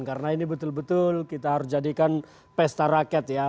karena ini betul betul kita harus jadikan pesta rakyat ya